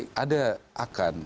jadi ada akan